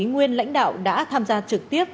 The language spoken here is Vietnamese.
nguyên lãnh đạo đã tham gia trực tiếp